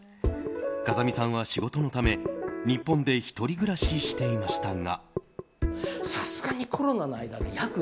風見さんは仕事のため日本で１人暮らししていましたが。